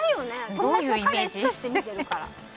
友達の彼氏として見てるから。